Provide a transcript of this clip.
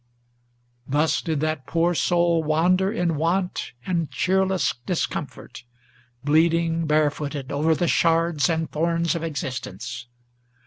Thus did that poor soul wander in want and cheerless discomfort, Bleeding, barefooted, over the shards and thorns of existence.